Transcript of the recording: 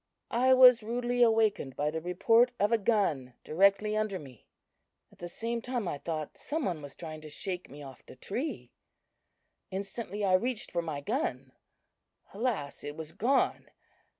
"I was rudely awakened by the report of a gun directly under me. At the same time, I thought some one was trying to shake me off the tree, Instantly I reached for my gun. Alas! it was gone!